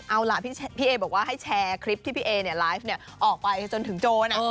เอาล่ะพี่เอบอกว่าให้แชร์คลิปที่พี่เอไลฟ์ออกไปจนถึงโจร